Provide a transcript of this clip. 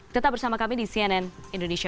tetap bersama kami di cnn indonesia